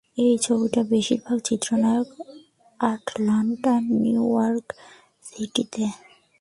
এই ছবির বেশিরভাগ চিত্রায়ন আটলান্টা, নিউ ইয়র্ক সিটিতে।